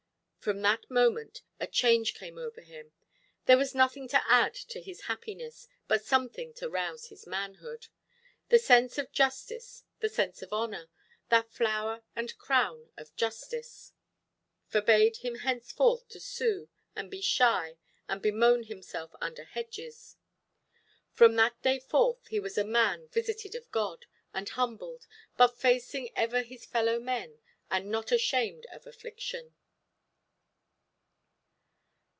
From that moment a change came over him. There was nothing to add to his happiness, but something to rouse his manhood. The sense of justice, the sense of honour—that flower and crown of justice—forbade him henceforth to sue, and be shy, and bemoan himself under hedges. From that day forth he was as a man visited of God, and humbled, but facing ever his fellow–men, and not ashamed of affliction.